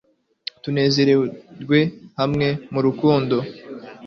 tunezerwe hamwe mu rukundo